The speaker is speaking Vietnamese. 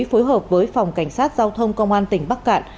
phối hợp với phòng cảnh sát giao thông công an tỉnh bắc cạn